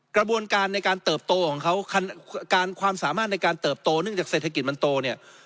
กระบวนการในการเติบโตของเขาการความสามารถในการเติบโตเนื่องจากเศรษฐกิจมันโตเนี่ย